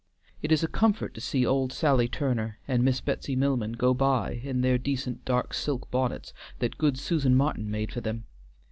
It is a comfort to see old Sally Turner and Miss Betsy Milman go by in their decent dark silk bonnets that good Susan Martin made for them.